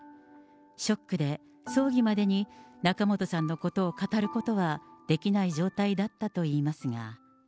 ショックで葬儀までに仲本さんのことを語ることはできない状態だったといいますが。